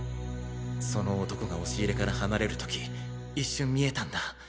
その男が押し入れから離れる時一瞬見えたんだ